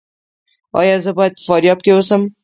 ایا زه باید په فاریاب کې اوسم؟